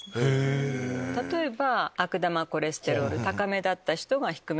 例えば。